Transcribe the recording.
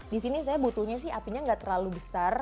disini saya butuhnya sih apinya gak terlalu besar